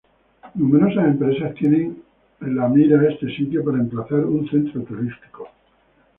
Numerosas empresas tienen en la mira a este sitio para emplazar un centro turístico.